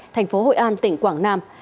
thành phố hội an tỉnh quảng nam